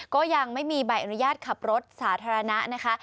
ก็ยังไม่มีใบอนุญาตขับรถสาธารณะนะคะ